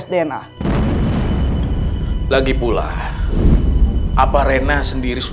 saya akan siapkan berkasnya ya pak nino